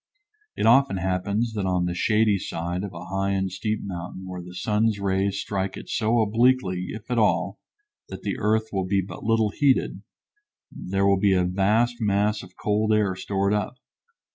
It often happens that on the shady side of a high and steep mountain where the sun's rays strike it so obliquely, if at all, that the earth will be but little heated, there will be a vast mass of cold air stored up.